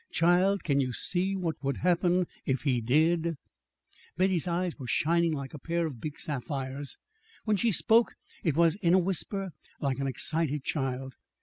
Child, can you see what would happen if he did?" Betty's eyes were shining like a pair of big sapphires. When she spoke, it was in a whisper like an excited child.